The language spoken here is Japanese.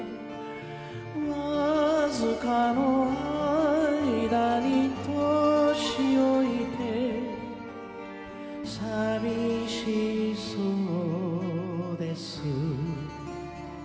「わずかの間に年老いて寂しそうです」